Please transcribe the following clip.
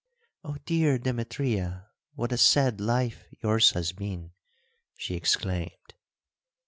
"Oh, dear Demetria, what a sad life yours has been!" she exclaimed.